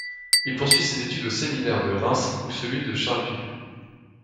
Il poursuit ses études au Séminaire de Reims ou celui de Charleville.